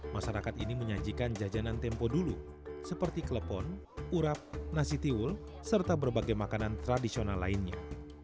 masyarakat ini menyajikan jajanan tempo dulu seperti klepon urap nasi tiwul serta berbagai makanan tradisional lainnya